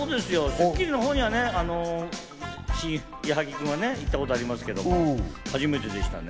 『スッキリ』のほうには矢作君は行ったことありますけど、初めてでしたね。